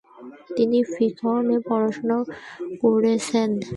তিনি ফিকহ নিয়ে পড়াশোনা করেছেন।